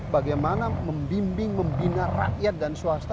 bagaimana membimbing membina rakyat dan swasta